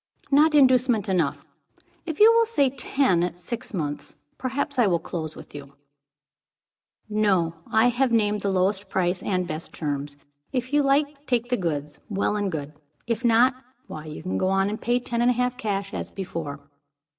"Not inducement enough. If you will say ten at six months, perhaps I will close with you." "No. I have named the lowest price and best terms. If you like to take the goods, well and good; if not, why you can go on and pay ten and a half, cash, as before."